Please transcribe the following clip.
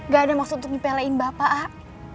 gak ada maksud untuk dipelein bapak ah